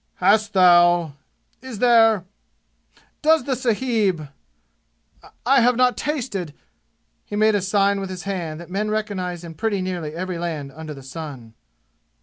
"Hast thou is there does the sahib I have not tasted " He made a sign with his hand that men recognize in pretty nearly every land under the sun.